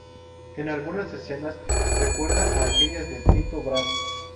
En algunas escenas recuerda a aquellas de Tinto Brass.